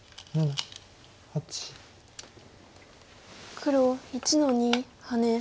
黒１の二ハネ。